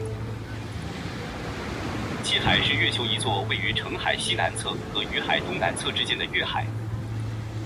汽海是月球一座位于澄海西南侧和雨海东南侧之间的月海。